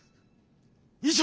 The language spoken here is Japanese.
以上！